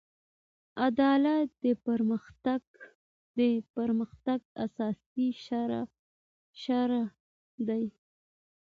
عدالت د پرمختګ اساسي شرط دی.